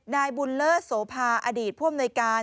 ๗นายบุญเลิศโสภาอดีตพ่วงหน่วยการ